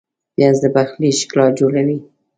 پیاز د پخلي ښکلا جوړوي